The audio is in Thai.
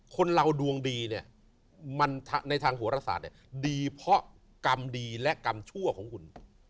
คนเราดวงดีเนี่ยมันในทางโหรศาสตร์เนี่ยดีเพราะกรรมดีและกรรมชั่วของคุณ